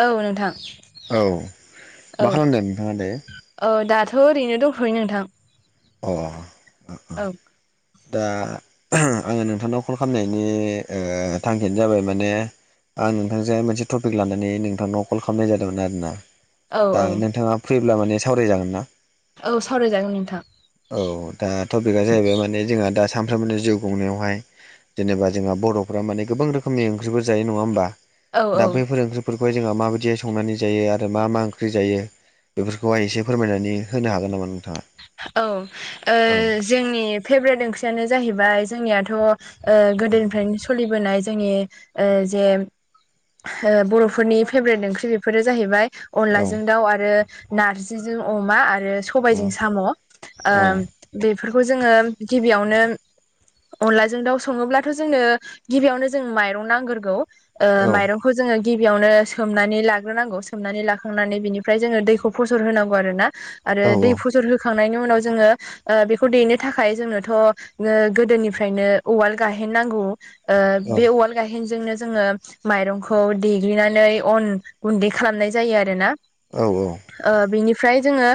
औ नोंथां औ औ मा खालामदो नोंथाङा दे । औ दाथ' ओरैनो दंथ'यो नोंथां । अ । औ दा आङो नोंथांनाव कल खालामनायनि थांखियानो जाबाय माने आं नोंथांजों मोनसे टपिक लानानै नोंथांनाव कल खालामनाय जादोंमोन आरो ना औ दा औ नोंथाङा फैब्ला माने सावरायजागोन ना औ सावरायजागोन नोंथां । औ दा टपिकआ जाहैबाय माने जोंहा दा सानफ्रोमबो जिउ खुंनायावहाय । जेनेबा जोंहा बर'फ्रा माने गोबां रोखोमनि ओंख्रिफोर जायो नङा होमबा औ औ दा बैफोर ओंख्रि । बेफोरखौ जोंहा माबायदि संनानै जायो आरो मा मा ओंख्रि जायो? बेफोरखौहाय एसे फोरमायनानै होनो हागोन नामा नोंथाङा औ औ जोंनि फेभ्रेट ओंख्रियानो जाहैबाय जोंनियाथ' औ गोदोनिफ्रायनो सोलिबोनाय जोंनि जे ओ ओ बर'फोरनि फेभ्रेट ओंख्रि बेफोरो जाहैबाय औ अनलाजों दाउ आरो नारजिजों अमा आरो सबायजों औ साम' औ बेफोरखौ जोङो गिबियावनो अनलाजों दाउ सङोब्लाथ' जोंनो गिबियावनो जों माइरं नांगोरगौ ओ औ खौ जोङो गिबियावनो सोमनानै लाग्रोनांगौ सोमनानै लाखांनानै बिनिफ्राय जोङो दैखौ फसर होनांगौ आरो ना मोजाङै औ आरो दै फसर होखांनायनि उनाव जोङो ओ बेखौ देनो थाखाय जोंनोथ' गोदोनिफ्रायनो उवाल गायेननांगौ ओ बे उवाल गायेनजोंनो जोङो माइरंखौ देग्लिनानै अन गुन्दै खालामनाय जायो आरोना औ औ ओ बिनिफ्राय जोङो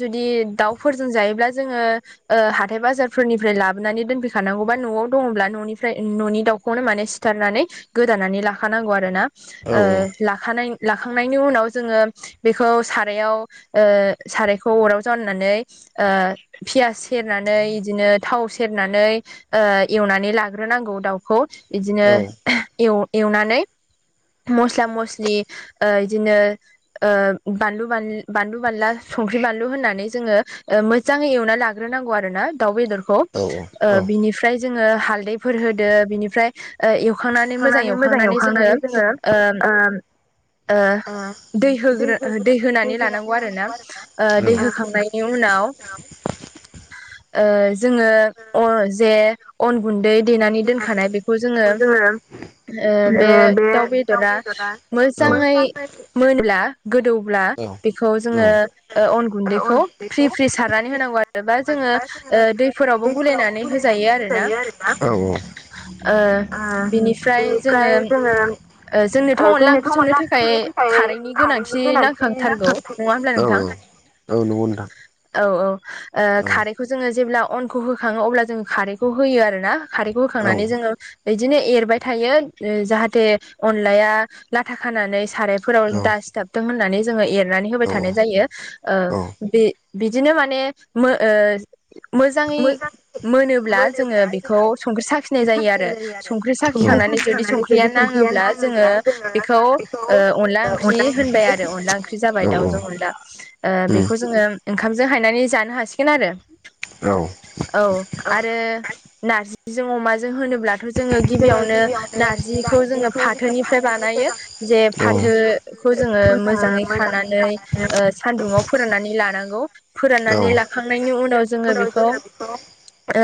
जुदि दाउफोरजों जायोब्ला जोङो ओ हाथाय बाजारफोरनिफ्राय लाबोनानै दोनफैखानांगौबा न'आव दङब्ला न'निफ्राय न'नि दाउ खौनो माने सिथारनानै गोदानानै लाखानांगौ आरो ना लाखानाय लाखांनायनि उनाव जोङो बेखौ सारायाव ओ सारायखौ अराव जान्नानै ओ पियास सेरनानै बिदिनो थाव सेरनानै एवनानै लाग्रोनांगौ दाउखौ बिदिनो [unintelligible] एव एवनानै मस्ला मस्लि ओ बिदिनो ओ बानलु बानलु बानला संख्रि बानलु होननानै जोङो ओ मोजाङै एवना लाग्रोनांगौ आरो ना दाउ बेदरखौ औ ओ बिनिफ्राय जोङो हालदैफोर होदो बिनिफ्राय ओ एवखांनानै मोजां एवखांनानै जोङो ओ ओ दै होग्रो दै होनानै लानांगौ आर ना ओ दै होखांनायनि उनाव [unintelligible] ओ जोङो अ जे अन गुन्दै देनानै दोनखानाय बेखौ जोङो [unintelligible] ओ बे दाउ बेदरा मोजाङै मोनला गोदौब्ला बेखौ जोङो अन गुन्दैखौ फ्रि फ्रि सारनानै होनांगौ आरो जेनेबा जोङो ओ दैफोरावबो गलायनानै होजायो आरो ना औ औ ओ बिनिफ्राय ओमफ्राय जोङो जोंनोथ' अनला ओंख्रि संनो थाखाय खारैनि गोनांथि ना औ औ औ नंगौ नोंथां औ औ ओ औ खारैखौ जोङो जेब्ला अनखौ होखाङो अब्ला जोङो खारैखौ होयो आरो ना खारैखौ औ होखांनानै जोङो बिदिनो एरबाय थायो जाहाथे अनलाया लाथा खानानै सारायफोराव दासटाब [unintelligible] मोननानै जोङो एरनानै होबाय औ थानाय जायो ओ औ बे बिदिनो माने मो ओ मोजाङै मोनोब्ला जोङो बेखौ संख्रि साखिनाय जायो आरो। संख्रि साखि खांनानै जुदि संख्रिया नाङोब्ला जोङो बेखौ ओ अनला ओंख्रि होनबाय आरो अनला ओंखि ख्रि जाबाय औ दाउजों अला। ओ उम बेखौ जों ङो ओंखामजों हायनानै जानो हासिगोन आरो औ औ आरो नारजिजों अमाजों होनोब्लाथ' जोङो गिबियावनो नारजिखौ जोङो फाथोनिफ्राय बानायो जे फाथो खौ जोङो मोजाङै खानानै ओ सानदुङाव फोराननानै लानांगौ फोराननानै लाखांनायनि उनाव जोङो बेखौ [unintelligible] ओ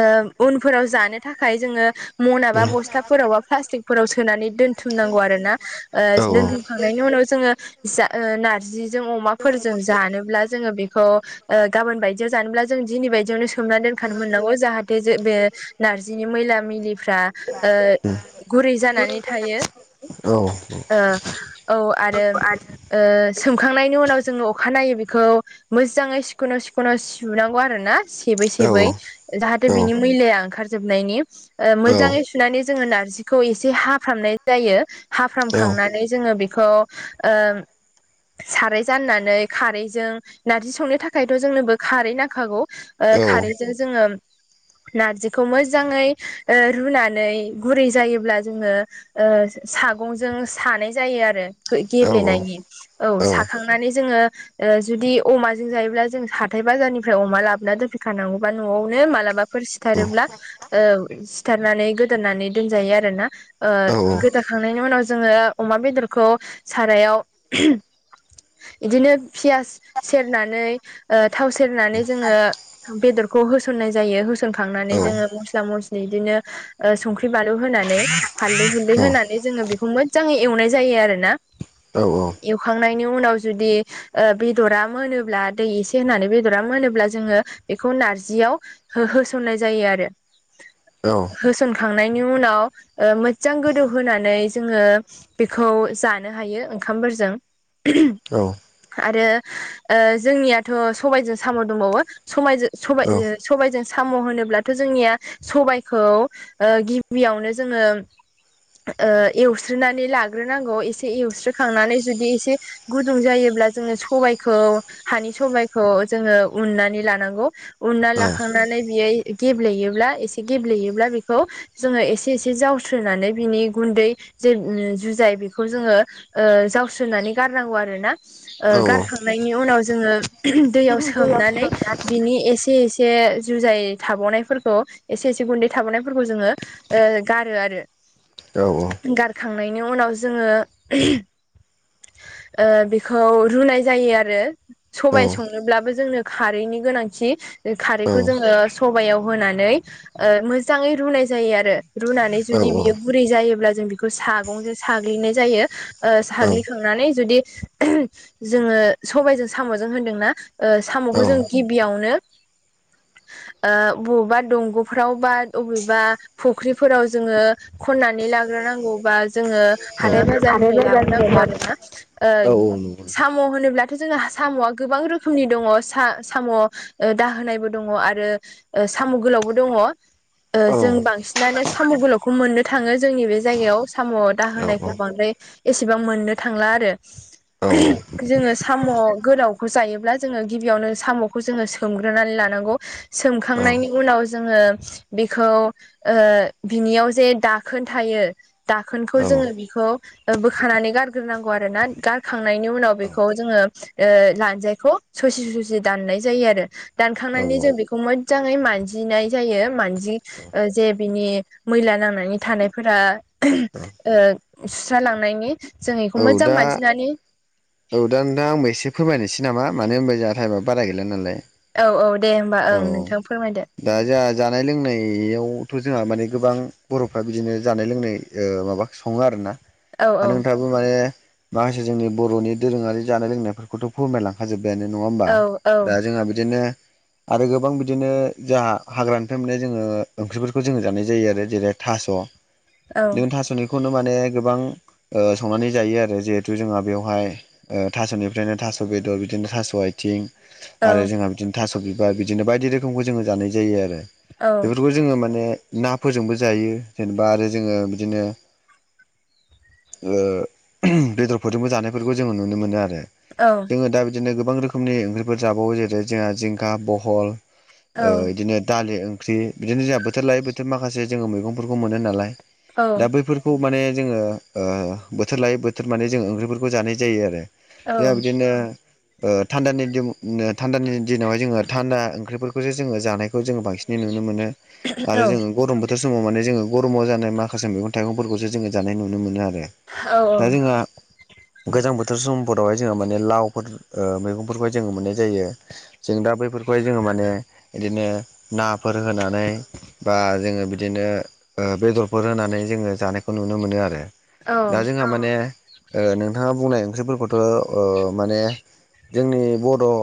उनफोराव जानो थाखाय जोङो मनाबा बस्था फोरावबा प्लास्टिकफोराव सोनानै दोनथुमनांगौ आरो ना ओ आरो दोनथुम होखांनायनि उनाव जोङो जा ओ नार्जिजों अमाफोरजों जानोब्ला जोङो बेखौ ओ गाबोन बायदियाव जानोब्ला जों दिनै बायदियावनो सोमना दोनखानो मोननांगौ जाहाथे जे बे नारजिनि मैला मैलिफ्रा ओ गुरै जानानै थायो। बेखौ औ ओ औ आरो ओ सोमखांनायनि उनाव जोङो अखानायनायै बेखौ मोजाङै सिखुनु सिखुनु सुनांगौ आरो ना सेबै औ सेबै जाहाथे बिनि मैलाया ओंखारजोबनायनि ओ मोजाङै सुनानै जोङो नारजिखौ एसे हाफ्रामनाय जायो। हाफ्रामखांनानै जोङो बेखौ ओ साराय जाननानै खारैजों नारजि संनो थाखायथ' जोंनोबो खारै नांखागौ। ओ खारैजों जोङो नारजिखौ मोजाङै ओ रुना नै गुरै जायोब्ला जोङो ओ सागंजों सानाय जायो आरो। गै गेब्लेनायनि औ साखांनानै जोङो ओ जुदि अमाजों जायोब्ला जों हाथाय बाजारनिफ्राय अमा लाबोना दोनफैखानांगौबा न'आवनो मालाबा फोर सिथारोब्ला ओ सिथारनानै गोदोननानै दोनजायो आरोना। ओ गोदाखांनायनि उनाव जोङो अमा बेदरखौ सारायाव बिदिनो पियास सेरनानै ओ थाव सेरनानै जोङो बेदरखौ होसननाय जायो। होसनखांनानै जोङो मस्ला मस बिदिनो ओ संख्रि बानलु होनानै हालदै हुलदै औ औ होनानै जोङो बेखौ मोजाङै एवनाय जायो आरो ना। औ औ। एवखांनायनि उनाव जुदि ओ बेदरा मोनोब्ला दै एसे होनानै बेदरा मोनोब्ला जोङो बेखौ नारजियाव हो होसननाय जायो आरो। औ। होसनखांनायनि उनाव ओ मोजां गोदौहोनानै जोङो बेखौ जानो हायो ओंखामफोरजों। औ। आरो ओ जोंनियाथ' सबायजों साम' दंबावो। सबायजों सबाय सबायजों साम' होनोब्लाथ' जोंनिया सबायखौ ओ गिबियावनो जोङो ओ एवस्रोनानै लाग्रोनांगौ एसे एवस्रोखांनानै जुदि एसे गुदुं जायोब्ला जोङो सबायखौ हानि सबायखौ जोङो उन्नानै लानांगौ। उनना लाखांनानै बेयो गेब्लेयोब्ला एसे गेब्लेयोब्ला बे खौ जोङो एसे एसे जावस्रोनानै बिनि गुन्दै जे ओम जुजाय बेखौ जोङो ओ जावस्रोनानै गारनांगौ आरो ना। ओ गारखांनायनि उनाव जोङो दैयाव सोमनानै बिनि एसे एसे एसे जुजाय थाबावनायफोरखौ एसे एसे गुन्दै थाबावनाय फोरखौ जोङो गारो आरो। औ औ। गारखांनायनि उनाव जोङो ओ बेखौ रुनाय जायो आरो। सबाय संनोब्लाबो जोंनो खारैनि गोनांथि। खारैखौ जोङो सबायाव होनानै ओ मोजाङै रुनाय जायो आरो। रुनानै जुदि बियो गुरै जायोब्ला जों बेखौ सागंजों साग्लिनाय जायो। ओ साग्लिखांनानै जुदि जोङो सबायजों साम'जों होनदोंना? ओ साम'खौ जों गिबियावनो ओ बबेबा दंग'फ्राव बा अबेबा फुख्रिफोराव जोङो खननानै लाग्रोनांगौ बा जोङो हाथाय बाजारनिफ्राय लाबोनांगौ आरो ना ओ सा औ नंगौ नोंथां साम' होनोब्लाथ' जोंहा साम'आ गोबां रोखोमनि दङ सा-साम' ओ दाहोनायबो दङ आरो ओ साम' गोलावबो दङ। ओ औ जों बांसिनानो साम' गोलावखौ मोननो थाङो जोंनि बे जायगायाव साम' औ दााहोनायखौ बांद्राय एसेबां मोननो थांला आरो। जोङो साम' गोलावखौ जायोब्ला जोङो गिबियावनो साम'खौ जोङो सोमग्रोनानै लानांगौ। सोमखांनायनि उनाव जोङो बेखौ ओ बिनियाव जे दाखोन थायो दाखोनखौ जोङो बेखौ बोखानानै गारग्रोनांगौ आरोना, गारखांनायनि उनाव बेखौ जोङो ओ लानजायखौ ससे ससे दाननाय जायो आरो। औ दानखांनानै जों बेखौ मोजाङै मानजिनाय जायो। मानजि जे बिनि मैला नांनानै थानायफोरा ओ सुस्रा लांनायनि जों बेखौ औ मोजां दा मानजिनानै। औ दा नोंथां आंबो एसे फोरमायनोसै नामा, मानो होनबा जोंहा टाइमआ बारा गैला नालाय। औ औ दे होमबा औ ओं नोंथां फोरमायदो। दा जोंहा जानाय लोंनायावथ' जोंहा माने गोबां बर'फ्रा बिदिनो जानाय लोंनाय ओ माबा सङो आरोना। औ दा औ नोंथाङाबो माने माखासे जोंनि बर'नि दोरोङारि जानाय लोंनायफोरखौथ' फोरमायलांखा जोब्बायानो नङा होमबा? औ दा जोंहा बिदिनो आरो गोबां बिदिनो जाहा हाग्रानिफ्राय मोननाय जोङो ओंख्रिफोरखौ जोङो जानाय जायो आरो जेरै थास' औ जों थास'निखौनो माने गोबां ओ संनानै जायो आरो, जिहेथु जोंहा बेवहाय ओ थास'निफ्रायनो थास' बेदर बिदिनो थास' आथिं औ आरो जोंहा बिदिनो थास' बिबार बिदिनो बायदि रोखोमखौ जोङो जानाय जायो आरो औ बेफोरखौ जोङो माने ना फोरजोंबो जायो जेनेबा आरो जोङो बिदिनो ओ बेदरफोरजोंबो जानायफोरखौ जोङो नुनो मोनो आरो। औ। जोङो दा बिदिनो गोबां रोखोमनि ओंख्रिफोर जाबावो जेरै जोंहा जिंखा, बहल ओ औ बिदिनो दालि ओंख्रि, बिदिनो जोंहा बोथोर लायै बोथोर माखासे जोङो मैगंफोरखौ मोनो नालाय। औ दा बैफोरखौ माने जोङो ओ बोथोर लायै बोथोर माने जों ओंख्रिफोरखौ जानाय जायो आरो। औ दा बिदिनो ओ थान्दानि दिन थान्दानि दिनावहाय जोङो थान्दा ओंख्रिफोरखौसो जोङो जानायखौ जोङो बांसिन नुनो मोनो। औ आरो जोङो गरम बो थोरब समाव माने जोङो गरमाव जानाय माखासे मैगं थाइगंफोरखौसो जोङो जानाय नुनो मोनो आरो। औ औ। दा जोंहा गोजां बोथोर समफोरावहाय जोङो माने लावफोर ओ मैगंफोरखौहाय जों मोननाय जायो। जों दा बैफोरखौहाय जोङो माने बिदिनो नाफोर होनानै बा जोङो बिदिनो बेदरफोर होनानै जोङो जानायखौ नुनो मोनो आरो। दा जोंहा माने नोंथाङा बुंनाय ओंख्रिफोरखौथ' माने जोंनि बर' ओ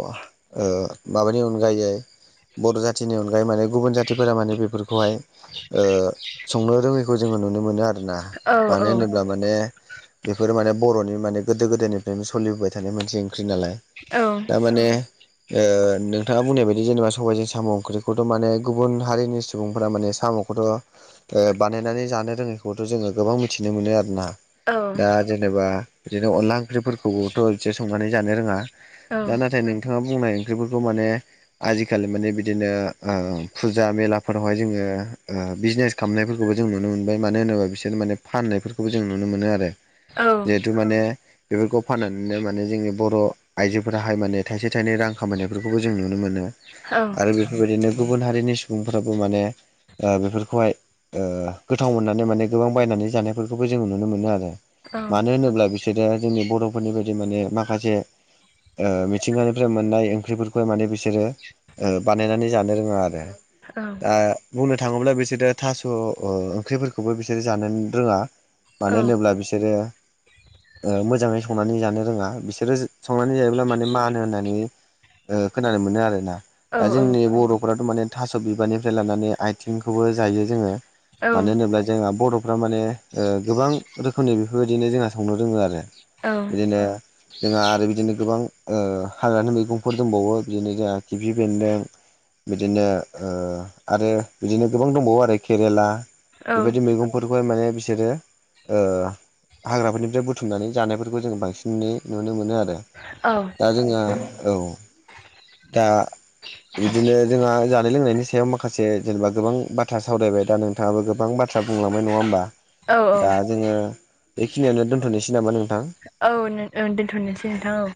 माबानि अनगायै बर' जाथिनि अनगायै माने गुबुन जाथिफोरा माने बेफोरखौहाय संनो रोङैखौ जोङो नुनो मोनो। आरो आरोना मानो होनोब्ला माने बेफोर माने बर'नि माने गोदो गोदायनिफ्रायनो सोलिबोबाय थानाय मोनसे ओंख्रि नालाय दा माने ओ नोंथाङा बुंनाय बायदि जेनेबा सबायजों साम' ओंख्रिखौथ' माने गुबुन हारिनि सुबुंफोरा माने साम' खौथ' ओ बानायनानै जानो रोङैखौथ' जोङो गोबां मिथिनो मोनो आरोना। दा जेनेबा बिदिनो अनला ओंख्रिफोरखौबोथ' बिसोर संनानै जानो रोङा। दा नाथाय नोंथाङा बुंनाय ओंख्रिफोरखौ माने आजिखालि माने बिदिनो ओ फुजा मेलाफोरावहाय जोङो ओ बिजनेस खामनायफोरखौबो जों नुनो मोनबाय ।मानो होनोबा बिसोर माने फाननायफोरखौबो जों नुनो मोनो आरो औ जिहेथु माने बेफोरखौ फाननानैनो माने जोंनि बर' आइजोफोराहाय माने थाइसे थाइनै रां खामायनायफोरखौबो जों नुनो मोनो औ औ आरो बे बेबायदिनो गुबुन हारिनि सुबुंफ्राबो माने बेफोरखौहाय गोथाव मोननानै माने गोबां बायनानै जानायफोरखौबो जोंङो नुनो मोनो आरो। औ औ मानो होनोब्ला बिसोरो जोंनि बर'फोरनि बायदि माने माखासे मिथिंगानिफ्राय मोननाय ओंख्रिफोरखौ माने बिसोरो बानायनानै जानो रोङा आरो दा बुंनो थाङोब्ला बिसोरो थास' ओंख्रिफोरखौबो बिसोरो जानो रोङा मानो होनोब्ला बिसोरो मोजाङै संनानै जानो रोङा बिसोरो संनानै जायोब्ला माने मानो होननानै खोनानो मोनो आर ना दा जोंनि बर'फोराथ' माने थास' बिबारनिफ्राय लानानै आथिंखौबो जायो जोङो मानो होनोब्ला जों बर' फोरा माने गोबां रोखोमनि बेफोरबायदिनो जोंहा संनो रोङो आरो बिदिनो जोंहा आरो बिदिनो गोबां हाग्रानि मैगंफोर दंबावो बिदिनो जोंहा खिफि बेन्दों, बिदिनो आरो बिदिनो गोबां दंबावो आरो केरेला, बेबायदि मैगंफोरखौहाय माने बिसोरो हाग्राफोरनि फ्राय बुथुमनानै जानायफोरखौ जोंङो बांसिनै नुनो मोनो आरो औ दा जोंहा औ दा बिदिनो जोंहा जानाय लोंनायनि सायाव माखासे जेनेबा गोबां बाथ्रा सावरायबाय दा नों नोंथाङाबो गोबां बाथ्रा बुंलांबाय नङा होमबा दा जोङो बेखिनियानो दोनथ'नोसै नामा नोंथां? औ औ दोन्थ'नोसै नोंथां औ